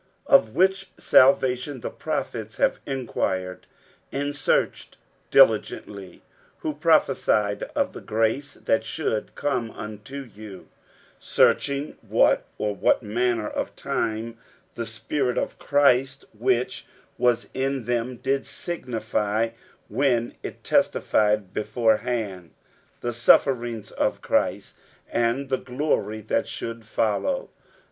60:001:010 Of which salvation the prophets have enquired and searched diligently, who prophesied of the grace that should come unto you: 60:001:011 Searching what, or what manner of time the Spirit of Christ which was in them did signify, when it testified beforehand the sufferings of Christ, and the glory that should follow.